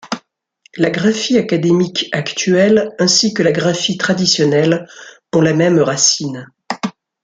La graphie académique actuelle ainsi que la graphie traditionnelle ont la même racine.